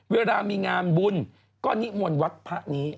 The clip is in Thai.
เวลามีงามบุญก็นิ้วมวัดภะนี้